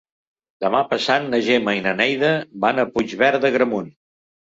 Demà passat na Gemma i na Neida van a Puigverd d'Agramunt.